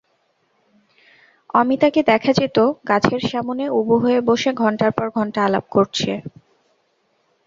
অমিতাকে দেখা যেত গাছের সামনে উবু হয়ে বসে ঘন্টার পর ঘন্টা আলাপ করছে।